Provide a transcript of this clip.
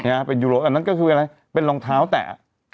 อันนั้นก็คืออะไรเป็นรองเท้าแตะ